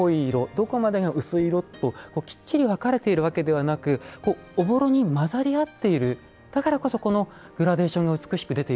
どこまでが薄い色ときっちり分かれているわけではなくおぼろに混ざり合っているだからこそこのグラデーションが美しく出ているんですね。